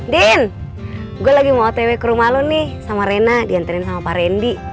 din gue lagi mau otw ke rumah lo nih sama rena diantarin sama pak rendy